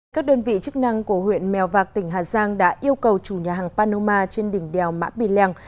các đơn vị chức năng của huyện mèo vạc tỉnh hà giang đã yêu cầu chủ nhà hàng panoma trên đỉnh đèo mã pì lèng